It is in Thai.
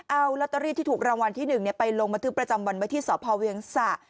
เอาลอตเตอรี่ที่ถูกรางวัลที่๑ไปลงบันทึกประจำวันไว้ที่สพเวียงสะ